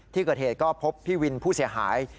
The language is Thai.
ที่เกิดเหตุก็พบพี่วินผู้เสียหาย